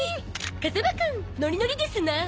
風間くんノリノリですなあ。